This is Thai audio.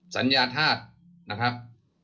สัญญาธาตุนะครับ